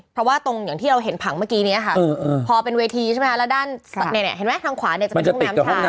เพราะว่าตรงอย่างที่เราเห็นผังเมื่อกี้นี้ค่ะพอเป็นเวทีใช่ไหมคะแล้วด้านเห็นไหมทางขวาเนี่ยจะเป็นห้องน้ำชาย